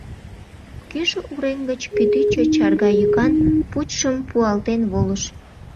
Кӱшыл урем гыч кӱтӱчӧ чарга йӱкан пучшым пуалтен волыш.